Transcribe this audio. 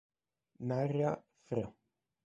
Narra fr.